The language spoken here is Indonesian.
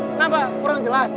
kenapa kurang jelas